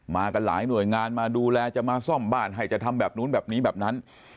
กันหลายหน่วยงานมาดูแลจะมาซ่อมบ้านให้จะทำแบบนู้นแบบนี้แบบนั้น